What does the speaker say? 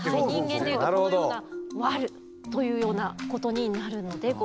人間で言うとこのような悪というようなことになるのでございます。